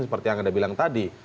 seperti yang anda bilang tadi